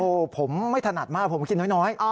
โอ้โหผมไม่ถนัดมากผมกินน้อย